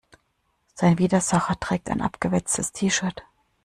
Sein Widersacher trägt ein abgewetztes T-Shirt.